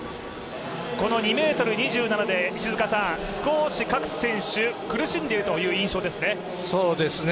この２ｍ２７で、少し各選手苦しんでいるという印象ですね。